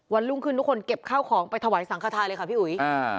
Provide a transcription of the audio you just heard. รุ่งขึ้นทุกคนเก็บข้าวของไปถวายสังขทาเลยค่ะพี่อุ๋ย